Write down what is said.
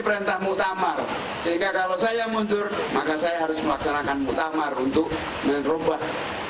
perintah muktamar sehingga kalau saya mundur maka saya harus melaksanakan muktamar untuk merubah